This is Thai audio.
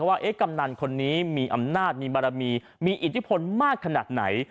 ว่ากำนันคนนี้มีอำนาจมีบารมีมีอิทธิพลมากขนาดไหน